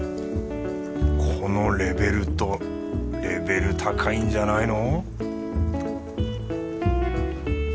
このレヴェルトレベル高いんじゃないの？